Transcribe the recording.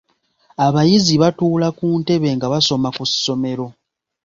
Abayizi batuula ku ntebe nga basoma ku ssomero.